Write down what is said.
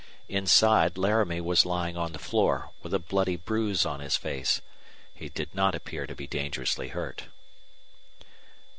Inside Laramie was lying on the floor, with a bloody bruise on his face. He did not appear to be dangerously hurt.